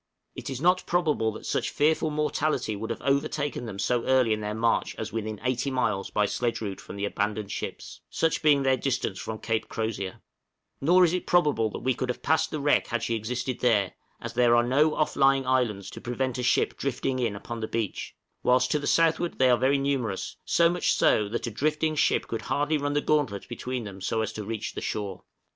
It is not probable that such fearful mortality would have overtaken them so early in their march as within 80 miles by sledge route from the abandoned ships such being their distance from Cape Crozier; nor is it probable that we could have passed the wreck had she existed there, as there are no off lying islands to prevent a ship drifting in upon the beach; whilst to the southward they are very numerous; so much so that a drifting ship could hardly run the gauntlet between them so as to reach the shore.